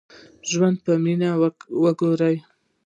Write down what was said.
ژوند په مينه وکړئ.